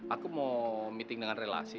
aku mau meeting dengan relasi